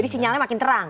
jadi sinyalnya makin terang